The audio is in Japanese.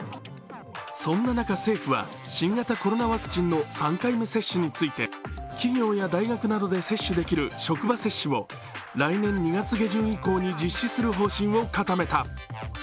そんな中、政府は新型コロナワクチンの３回目接種について企業や大学などで接種できる職場接種を来年２月下旬以降に実施する方針を固めた。